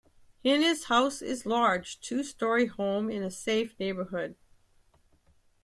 Hina's house is a large, two story home in a safe neighborhood.